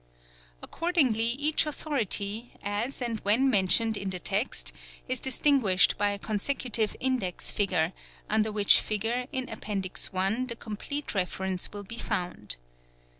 Accordingly each authority, as and when mentioned in the text, is distinguished by a consecutive index figure, under which figure in Appendix I. the complete reference will be found.